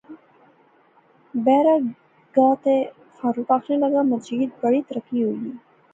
بیرا گا تے فاروق آخنے لاغا مجید بڑی ترقی ہوئی گئی